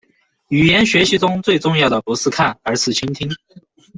语言学习中最重要的不是看，而是倾听。